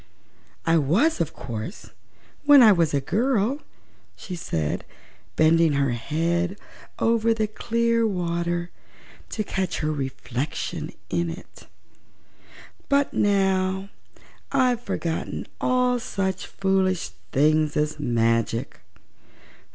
"I was, of course, when I was a girl," she said, bending her head over the clear water to catch her reflection in it; "but now I've forgotten all such foolish things as magic.